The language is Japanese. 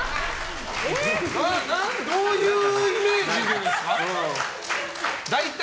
どういうイメージなんですか？